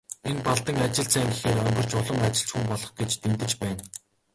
Энэ Балдан ажилд сайн гэхээр онгирч, улам ажилч хүн болох гэж дэндэж байна.